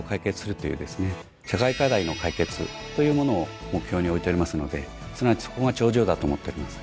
社会課題の解決というものを目標に置いておりますのですなわちそこが頂上だと思っております。